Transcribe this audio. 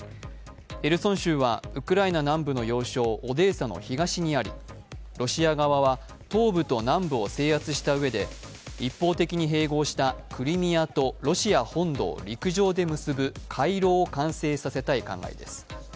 ヘルソン州はウクライナ南部の要衝・オデーサの東にありロシア側は東部と南部を制圧したうえで一方的に併合したクリミアとロシア本土を陸上で結ぶ回廊を完成させたい考えです。